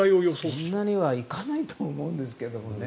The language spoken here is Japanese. そんなにはいかないと思うんですけどね。